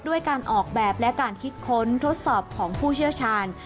ด้วยการออกแบบและการคิดค้นทดสอบของผู้เชี่ยวชาญ